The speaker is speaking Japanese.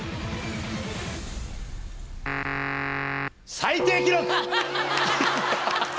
最低記録！